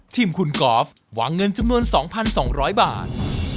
ทีมคุณกอล์ฟหวานเงินจำนวนสองพันสองร้อยบาท